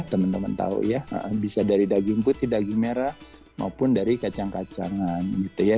teman teman tahu ya bisa dari daging putih daging merah maupun dari kacang kacangan gitu ya